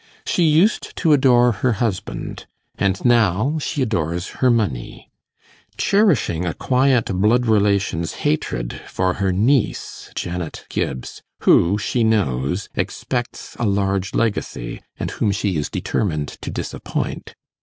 She used to adore her husband, and now she adores her money, cherishing a quiet blood relation's hatred for her niece, Janet Gibbs, who, she knows, expects a large legacy, and whom she is determined to disappoint.